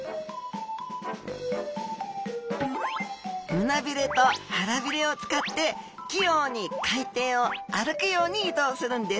胸鰭と腹鰭を使って器用に海底を歩くように移動するんです。